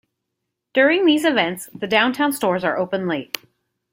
During these events the downtown stores are open late.